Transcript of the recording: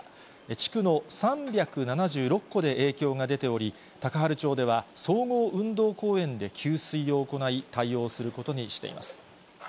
地区の３７６戸で影響が出ており、高原町では総合運動公園で給水を行い、対応することにしています。